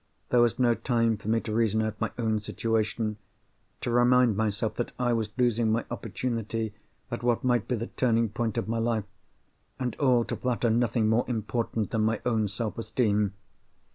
There was no time for me to reason out my own situation—to remind myself that I was losing my opportunity, at what might be the turning point of my life, and all to flatter nothing more important than my own self esteem!